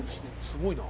すごいな。